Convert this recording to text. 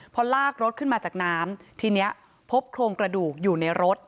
พอลากรถขึ้นมาจากน้ำทีนี้พบโครงกระดูกอยู่ในรถ